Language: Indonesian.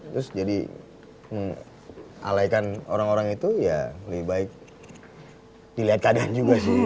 terus jadi alaikan orang orang itu ya lebih baik dilihat keadaan juga sih